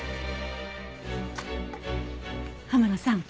浜野さん